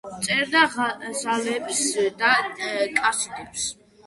წერდა ღაზალებს და კასიდებს.